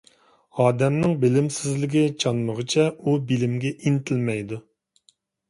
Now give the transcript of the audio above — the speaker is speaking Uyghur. ئادەمنىڭ بىلىمسىزلىكى چانمىغۇچە، ئۇ بىلىمگە ئىنتىلمەيدۇ.